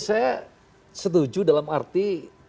saya setuju dalam arti